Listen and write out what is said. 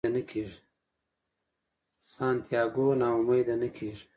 سانتیاګو نا امیده نه کیږي.